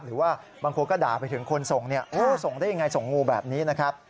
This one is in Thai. หรือว่าบางคนก็ด่าไปถึงคนส่งส่งได้ยังไงส่งงูแบบนี้นะครับ